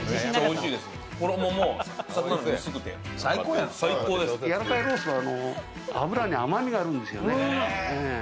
やわらかいロースは脂に甘みがあるんですよね。